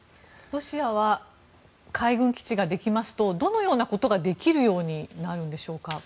ロシアは海軍基地ができますとどのようなことができるようになるんでしょうか。